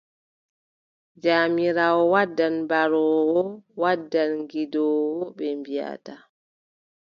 Jawmiraawo wadda baroowo, wadda gidoowo, ɓe mbiʼata.